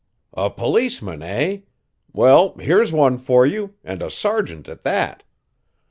"A policeman, eh? Well, here's one for you, and a sergeant at that."